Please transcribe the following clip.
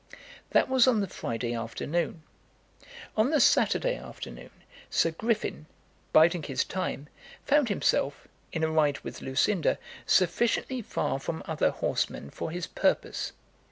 That was on the Friday afternoon. On the Saturday afternoon Sir Griffin, biding his time, found himself, in a ride with Lucinda, sufficiently far from other horsemen for his purpose.